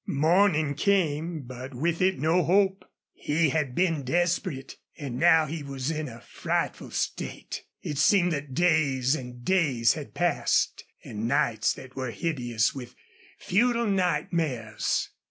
Morning came. But with it no hope. He had been desperate. And now he was in a frightful state. It seemed that days and days had passed, and nights that were hideous with futile nightmares.